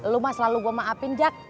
lo mah selalu gue maafin jak